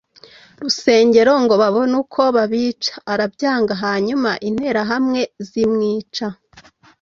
rusengero ngo babone uko babica arabyanga hanyuma interahamwe zimwica